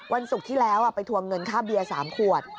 ศุกร์ที่แล้วไปทวงเงินค่าเบียร์๓ขวด